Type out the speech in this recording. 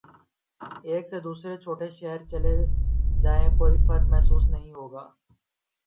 ایک سے دوسرے چھوٹے شہر چلے جائیں کوئی فرق محسوس نہیں ہو گا۔